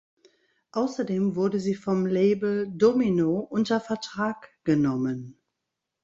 Außerdem wurde sie vom Label "Domino" unter Vertrag genommen.